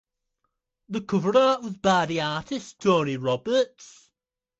The cover art was by the artist Tony Roberts.